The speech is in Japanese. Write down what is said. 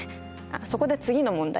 そこで次の問題。